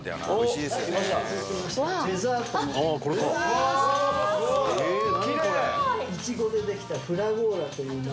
いちごでできたフラゴーラというもので。